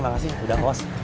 makasih udah bos